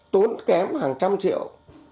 tốn kém hàng trăm triệu